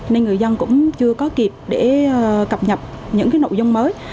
nên người dân cũng chưa có kịp để cập nhập những nội dung mới